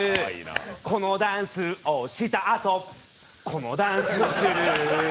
このダンスをしたあとこのダンスをする。